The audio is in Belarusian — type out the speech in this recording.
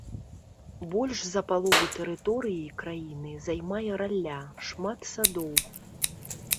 Больш за палову тэрыторыі краіны займае ралля, шмат садоў.